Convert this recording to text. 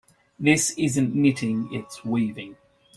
This isn't knitting, its weaving.